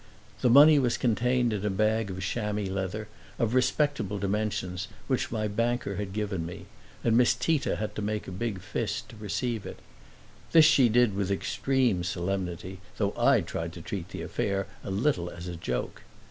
The money was contained in a bag of chamois leather, of respectable dimensions, which my banker had given me, and Miss Tita had to make a big fist to receive it. This she did with extreme solemnity, though I tried to treat the affair a little as a joke.